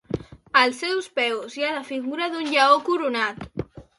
Als seus peus hi ha la figura d'un lleó coronat.